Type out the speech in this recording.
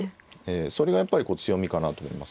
それがやっぱり強みかなと思いますけどね。